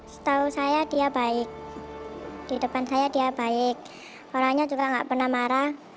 setahu saya dia baik di depan saya dia baik orangnya juga nggak pernah marah